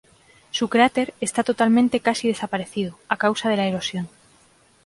Su cráter está totalmente casi desaparecido, a causa de la erosión.